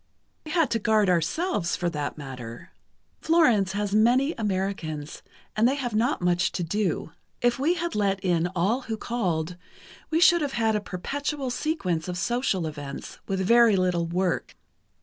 "We had to guard ourselves, for that matter. Florence has many Americans, and they have not much to do. If we had let in all who called, we should have had a perpetual sequence of social events, with very little work.